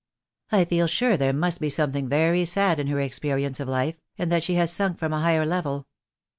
"I feel sure there must be something very sad in her experience of life, and that she has sunk from a higher level."